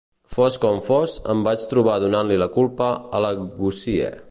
Fos com fos, em vaig trobar donant-li la culpa a la Gussie.